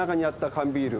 「缶ビール」。